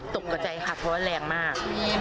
กระใจค่ะเพราะว่าแรงมาก